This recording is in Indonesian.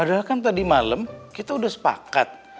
adalah kan tadi malam kita udah sepakat